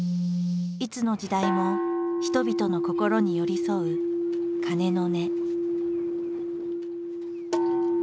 いつの時代も人々の心に寄り添う鐘の音。